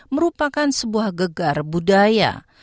merupakan sebuah gegar budaya